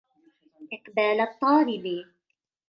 إقْبَالَ الطَّالِبِ